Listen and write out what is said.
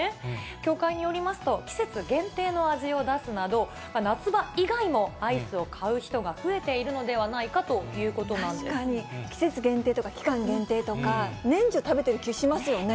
協会によりますと、季節限定の味を出すなど、夏場以外もアイスを買う人が増えているのではないかということな確かに、季節限定とか、期間限定とか、年中食べてる気しますよね。